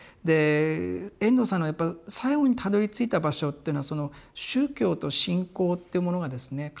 で遠藤さんのやっぱ最後にたどりついた場所っていうのは宗教と信仰ってものがですね